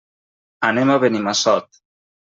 Anem a Benimassot.